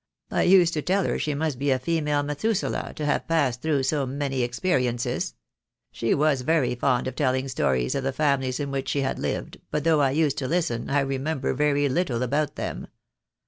I used to tell her she must be a female Methuselah to have passed through so many experiences. She was very fond of telling stories of the families in which she had lived, but though I used to listen I remember very little about them.